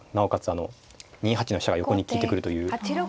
あの２八の飛車が横に利いてくるという。